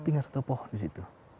tinggal satu pohon di situ